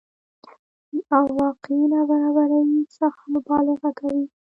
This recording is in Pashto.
او واقعي نابرابرۍ څخه مبالغه کوي